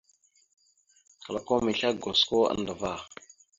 Klakom islégosko andəvá.